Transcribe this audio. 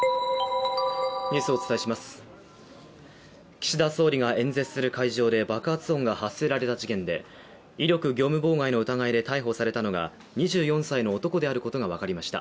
岸田総理が演説する会場で爆発音が発せられた事件で威力業務妨害の疑いで逮捕されたのが２４歳の男であることが分かりました。